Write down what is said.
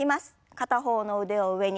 片方の腕を上に。